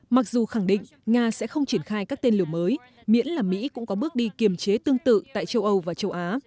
mặc dù khẳng định nga sẽ không triển khai các tên lửa mới miễn là mỹ cũng có bước đi kiềm chế tương tự tại châu âu và châu á